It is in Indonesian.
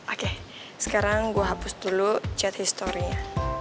oke sekarang gue hapus dulu chat history nya